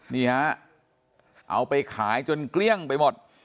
นี่ฮะเอาไปขายจนเกลี้ยงไปหมด